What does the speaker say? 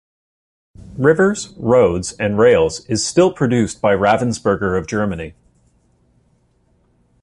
Rivers, Roads and Rails is still produced by Ravensburger of Germany.